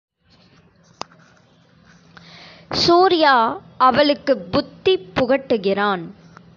சூர்யா அவளுக்குப் புத்தி புகட்டுகிறான்.